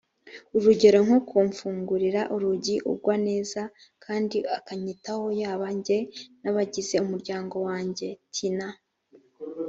urugero nko kumfungurira urugi ugwa neza kandi akanyitaho yaba jye n abagize umuryango wanjye tina